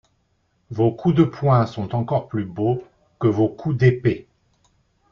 Vos coups de poing sont encore plus beaux que vos coups d’épée.